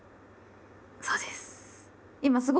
そうです。